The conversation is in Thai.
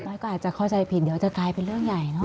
น้อยก็อาจจะเข้าใจผิดเดี๋ยวจะกลายเป็นเรื่องใหญ่เนอ